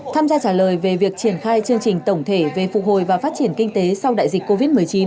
tham gia trả lời về việc triển khai chương trình tổng thể về phục hồi và phát triển kinh tế sau đại dịch covid một mươi chín